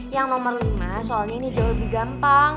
yang nomor lima soalnya ini jauh lebih gampang